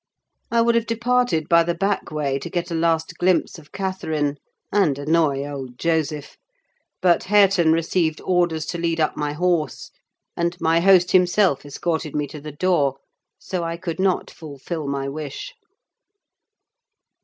I would have departed by the back way, to get a last glimpse of Catherine and annoy old Joseph; but Hareton received orders to lead up my horse, and my host himself escorted me to the door, so I could not fulfil my wish.